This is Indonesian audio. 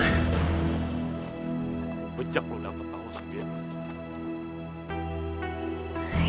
kamu benceng lu dapet tangan sendiri